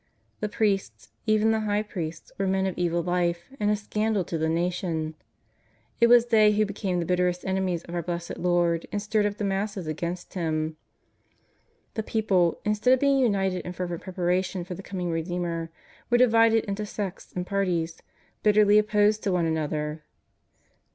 The priests, even the High Priests, were men of evil life and a scandal to the nation. It was they who became the bitterest enemies of our Blessed Lord and stirred up the masses against Him. The people, instead of being imited in fervent pre paration for the coming Redeemer, were divided into sects and parties, bitterly opposed to one another.